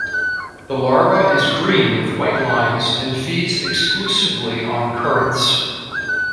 The larva is green with white lines and feeds exclusively on currants.